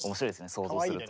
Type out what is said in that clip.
想像すると。